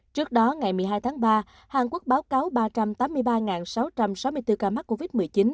trước đó ngày một mươi hai tháng ba hàn quốc báo cáo ba trăm tám mươi ba sáu trăm sáu mươi bốn ca mắc covid một mươi chín